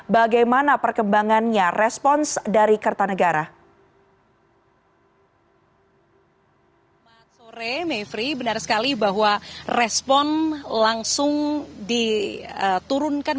bagaimana perkembangannya respons dari kertanegara